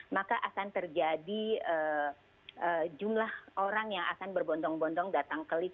maka akan terjadi jumlah orang yang akan berbondong bondong datang ke lift